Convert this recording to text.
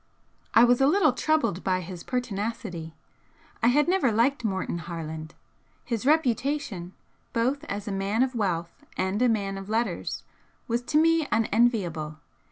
I was a little troubled by his pertinacity. I had never liked Morton Harland. His reputation, both as a man of wealth and a man of letters, was to me unenviable.